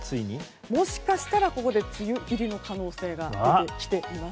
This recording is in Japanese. もしかしたら、ここで梅雨入りの可能性が出てきています。